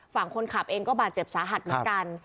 ฝั่งคนขับเองก็บาดเจ็บสาหัสเหมือนกัน